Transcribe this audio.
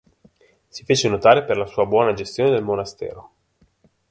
Si fece notare per la sua buona gestione del monastero.